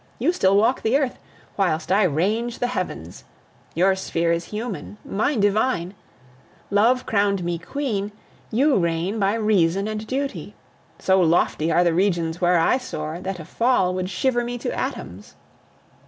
You still walk the earth, whilst I range the heavens! Your sphere is human, mine divine! Love crowned me queen, you reign by reason and duty. So lofty are the regions where I soar, that a fall would shiver me to atoms.